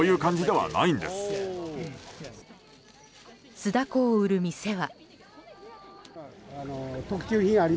酢だこを売る店は。